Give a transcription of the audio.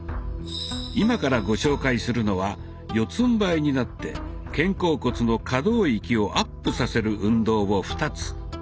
今からご紹介するのは四つんばいになって肩甲骨の可動域をアップさせる運動を２つ。